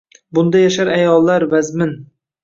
Bunda yashar ayollar — vazmin